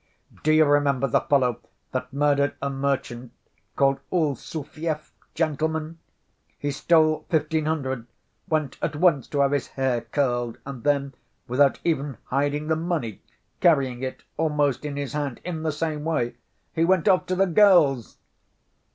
"Do you remember the fellow that murdered a merchant called Olsufyev, gentlemen? He stole fifteen hundred, went at once to have his hair curled, and then, without even hiding the money, carrying it almost in his hand in the same way, he went off to the girls."